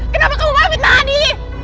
kenapa kamu mau fitnah adi